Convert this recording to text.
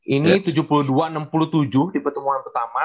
ini tujuh puluh dua enam puluh tujuh di pertemuan pertama